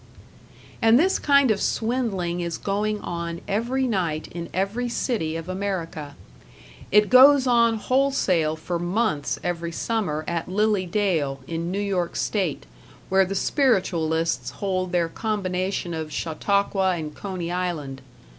And this kind of swindling is going on every night in every city of America. It goes on wholesale for months every summer at Lily Dale, in New York State, where the spiritualists hold their combination of Chautauqua and Coney Island.